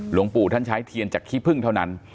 หลวงปู่ท่านใช้เทียนจากขี้พึ่งเท่านั้น